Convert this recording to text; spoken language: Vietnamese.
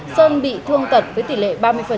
sơn bị thương tật với tỷ lệ ba mươi